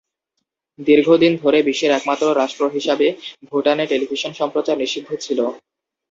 দীর্ঘদিন ধরে বিশ্বের একমাত্র রাষ্ট্র হিসাবে ভুটানে টেলিভিশন সম্প্রচার নিষিদ্ধ ছিলো।